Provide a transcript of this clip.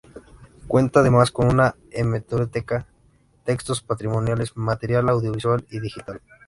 Cuenta además con una hemeroteca, textos patrimoniales, material audiovisual y digital.